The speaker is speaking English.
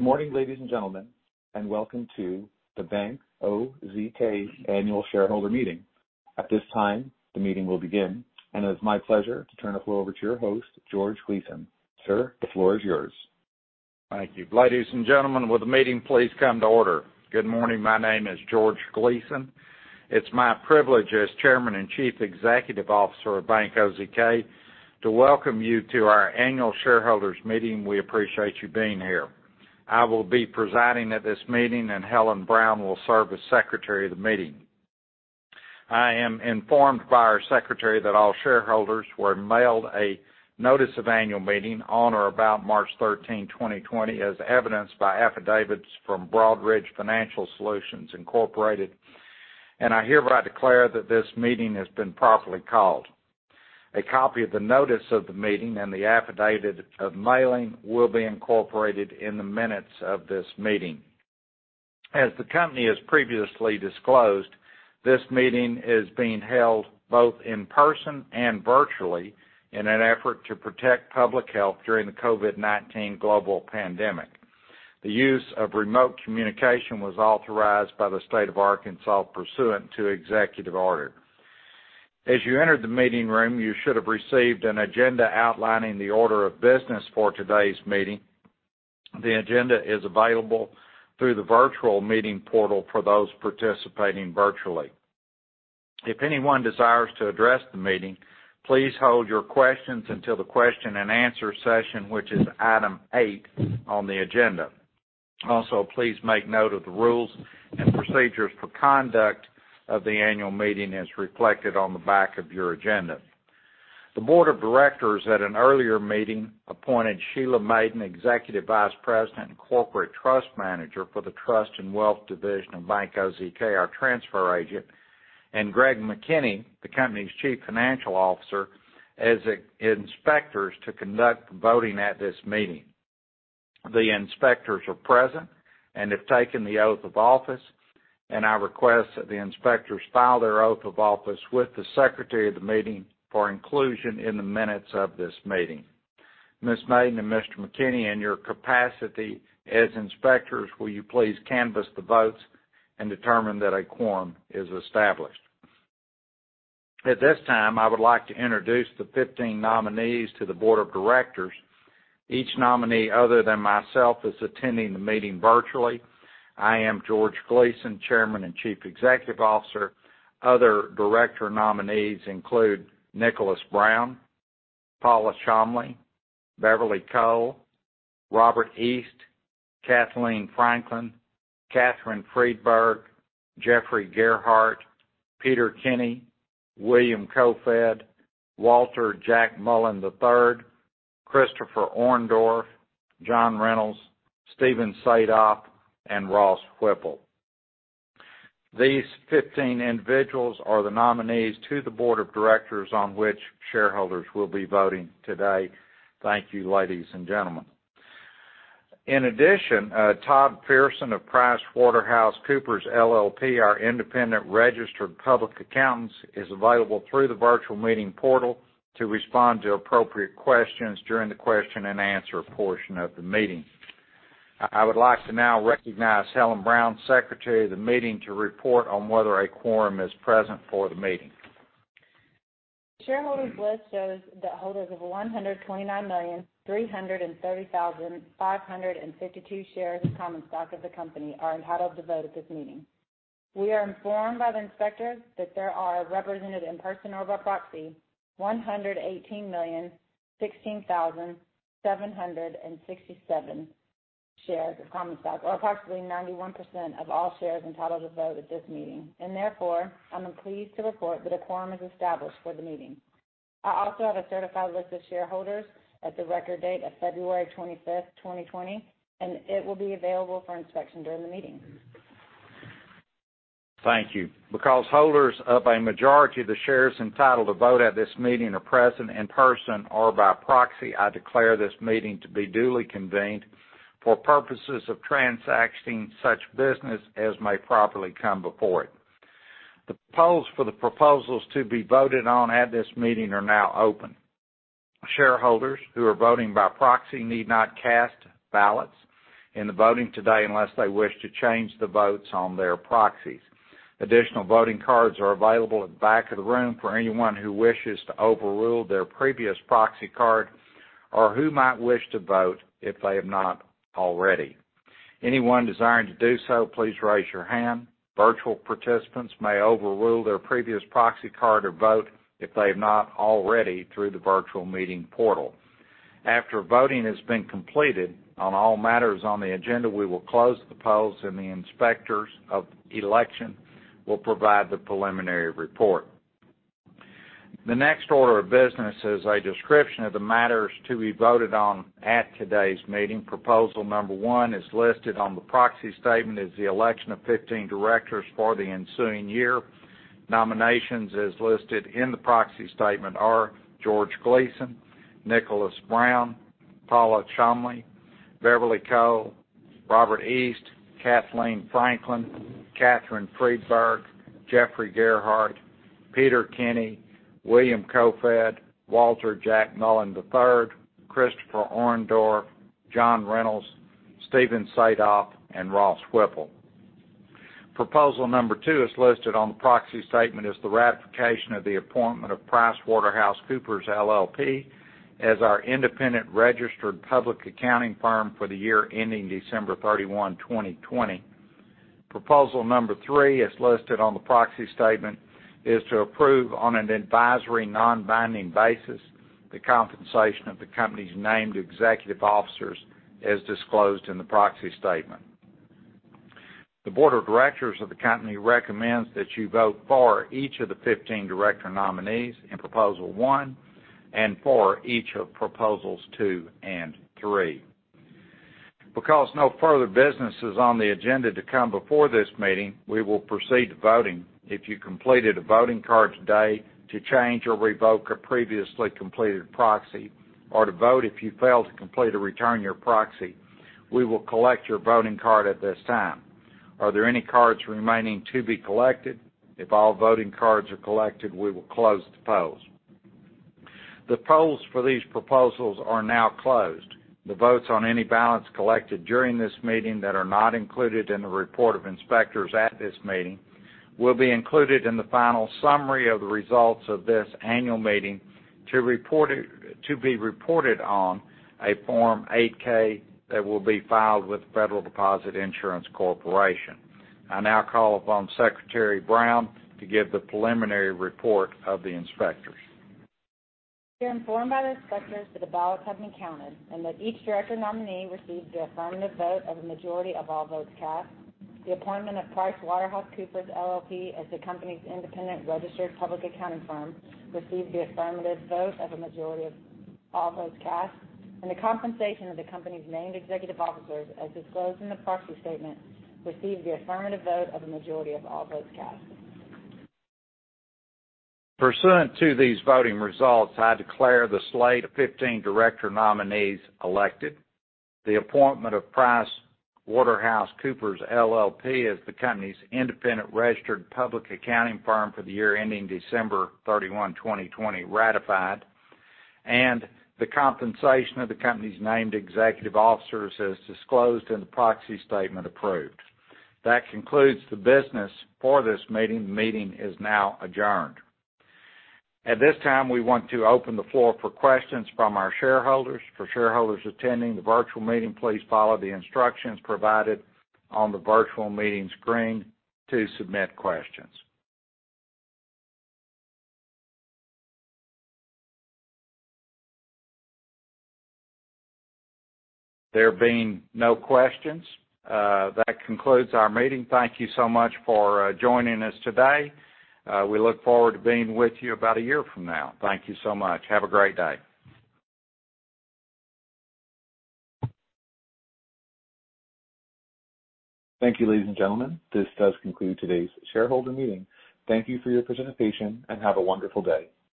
Morning, ladies and gentlemen, welcome to the Bank OZK Annual Shareholder Meeting. At this time, the meeting will begin. It is my pleasure to turn the floor over to your host, George Gleason. Sir, the floor is yours. Thank you. Ladies and gentlemen, will the meeting please come to order. Good morning. My name is George Gleason. It's my privilege as Chairman and Chief Executive Officer of Bank OZK to welcome you to our annual shareholders meeting. We appreciate you being here. I will be presiding at this meeting, and Helen Brown will serve as secretary of the meeting. I am informed by our secretary that all shareholders were mailed a notice of annual meeting on or about March 13, 2020, as evidenced by affidavits from Broadridge Financial Solutions Incorporated, and I hereby declare that this meeting has been properly called. A copy of the notice of the meeting and the affidavit of mailing will be incorporated in the minutes of this meeting. As the company has previously disclosed, this meeting is being held both in person and virtually in an effort to protect public health during the COVID-19 global pandemic. The use of remote communication was authorized by the State of Arkansas pursuant to executive order. As you entered the meeting room, you should have received an agenda outlining the order of business for today's meeting. The agenda is available through the virtual meeting portal for those participating virtually. If anyone desires to address the meeting, please hold your questions until the question and answer session, which is item 8 on the agenda. Please make note of the rules and procedures for conduct of the annual meeting as reflected on the back of your agenda. The board of directors at an earlier meeting appointed Sheila Mayden, Executive Vice President and Corporate Trust Manager for the Trust and Wealth Division of Bank OZK, our transfer agent, and Greg McKinney, the company's Chief Financial Officer, as inspectors to conduct the voting at this meeting. The inspectors are present and have taken the oath of office. I request that the inspectors file their oath of office with the secretary of the meeting for inclusion in the minutes of this meeting. Ms. Mayden and Mr. McKinney, in your capacity as inspectors, will you please canvas the votes and determine that a quorum is established. At this time, I would like to introduce the 15 nominees to the board of directors. Each nominee, other than myself, is attending the meeting virtually. I am George Gleason, Chairman and Chief Executive Officer. Other director nominees include Nicholas Brown, Paula Cholmondeley, Beverly Cole, Robert East, Kathleen Franklin, Catherine B. Freedberg, Jeffrey Gearhart, Peter Kenny, William Kofoed, Jr., Walter Jack Mullen, III, Christopher Orndorff, John Reynolds, Steven Sadoff, and Ross Whipple. These 15 individuals are the nominees to the board of directors on which shareholders will be voting today. Thank you, ladies and gentlemen. In addition, Todd Pearson of PricewaterhouseCoopers LLP, our independent registered public accountants, is available through the virtual meeting portal to respond to appropriate questions during the question and answer portion of the meeting. I would like to now recognize Helen Brown, Secretary of the meeting, to report on whether a quorum is present for the meeting. Shareholders list shows that holders of 129,330,552 shares of common stock of the company are entitled to vote at this meeting. We are informed by the inspector that there are represented in person or by proxy 118,016,767 shares of common stock, or approximately 91% of all shares entitled to vote at this meeting. Therefore, I am pleased to report that a quorum is established for the meeting. I also have a certified list of shareholders at the record date of February 25th, 2020, and it will be available for inspection during the meeting. Thank you. Because holders of a majority of the shares entitled to vote at this meeting are present in person or by proxy, I declare this meeting to be duly convened for purposes of transacting such business as may properly come before it. The polls for the proposals to be voted on at this meeting are now open. Shareholders who are voting by proxy need not cast ballots in the voting today unless they wish to change the votes on their proxies. Additional voting cards are available at the back of the room for anyone who wishes to overrule their previous proxy card or who might wish to vote if they have not already. Anyone desiring to do so, please raise your hand. Virtual participants may overrule their previous proxy card or vote if they have not already through the virtual meeting portal. After voting has been completed on all matters on the agenda, we will close the polls and the inspectors of election will provide the preliminary report. The next order of business is a description of the matters to be voted on at today's meeting. Proposal number one is listed on the proxy statement as the election of 15 directors for the ensuing year. Nominations, as listed in the proxy statement, are George Gleason, Nicholas Brown, Paula Cholmondeley, Beverly Cole, Robert East, Kathleen Franklin, Catherine B. Freedberg, Jeffrey Gearhart, Peter Kenny, William Kofoed, Walter Jack Mullen III, Christopher Orndorff, John Reynolds, Steven Sadoff, and Ross Whipple. Proposal number two is listed on the proxy statement as the ratification of the appointment of PricewaterhouseCoopers LLP as our independent registered public accounting firm for the year ending December 31, 2020. Proposal number three, as listed on the proxy statement, is to approve on an advisory, non-binding basis the compensation of the company's named executive officers as disclosed in the proxy statement. The board of directors of the company recommends that you vote for each of the 15 director nominees in proposal one and for each of proposals two and three. Because no further business is on the agenda to come before this meeting, we will proceed to voting. If you completed a voting card today to change or revoke a previously completed proxy, or to vote if you failed to complete or return your proxy, we will collect your voting card at this time. Are there any cards remaining to be collected? If all voting cards are collected, we will close the polls. The polls for these proposals are now closed. The votes on any ballots collected during this meeting that are not included in the report of inspectors at this meeting will be included in the final summary of the results of this annual meeting to be reported on a Form 8-K that will be filed with the Federal Deposit Insurance Corporation. I now call upon Secretary Brown to give the preliminary report of the inspectors. We are informed by the inspectors that the ballots have been counted, and that each director nominee received the affirmative vote of a majority of all votes cast. The appointment of PricewaterhouseCoopers LLP as the company's independent registered public accounting firm received the affirmative vote of a majority of all votes cast, and the compensation of the company's named executive officers, as disclosed in the proxy statement, received the affirmative vote of a majority of all votes cast. Pursuant to these voting results, I declare the slate of 15 director nominees elected, the appointment of PricewaterhouseCoopers LLP as the company's independent registered public accounting firm for the year ending December 31, 2020, ratified, and the compensation of the company's named executive officers as disclosed in the proxy statement approved. That concludes the business for this meeting. The meeting is now adjourned. At this time, we want to open the floor for questions from our shareholders. For shareholders attending the virtual meeting, please follow the instructions provided on the virtual meeting screen to submit questions. There being no questions, that concludes our meeting. Thank you so much for joining us today. We look forward to being with you about a year from now. Thank you so much. Have a great day. Thank you, ladies and gentlemen. This does conclude today's shareholder meeting. Thank you for your participation, and have a wonderful day.